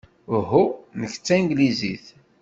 Uhu, nekk d tanglizit.